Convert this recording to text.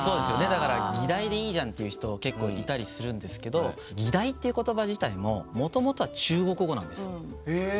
だから「議題」でいいじゃんっていう人が結構いたりするんですけど「議題」っていう言葉自体ももともとは中国語なんです。